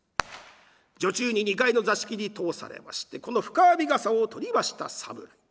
女中に２階の座敷に通されましてこの深編みがさを取りました侍。